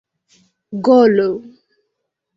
golo